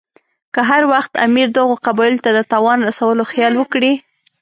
که هر وخت امیر دغو قبایلو ته د تاوان رسولو خیال وکړي.